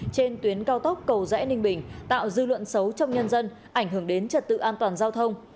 trên tuyến cao tốc cầu rẽ ninh bình tạo dư luận xấu trong nhân dân ảnh hưởng đến trật tự an toàn giao thông